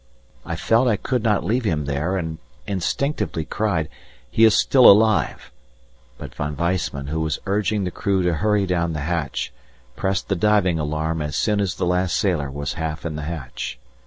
I felt I could not leave him there, and instinctively cried, "He is still alive!" But Von Weissman, who was urging the crew to hurry down the hatch, pressed the diving alarm as soon as the last sailor was half in the hatch.